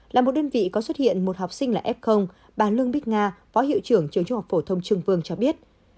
là một đơn vị có xuất hiện một học sinh là f bà lương bích nga phó hiệu trưởng trường trung học phổ thông trương vương cho biết